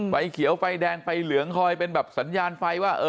ไฟเขียวไฟแดงไฟเหลืองคอยเป็นแบบสัญญาณไฟว่า